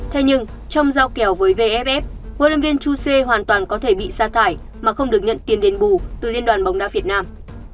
thế nhưng trong giao kèo với vff huấn luyện viên chuse hoàn toàn có thể bị xa thải mà không được nhận tiền đền bù từ liên đoàn bóng đá việt nam